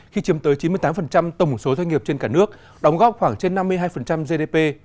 khi chiếm tới chín mươi tám tổng số doanh nghiệp trên cả nước đóng góp khoảng trên năm mươi hai gdp